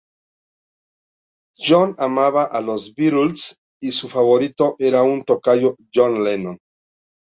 John amaba a los Beatles y su favorito era su tocayo John Lennon.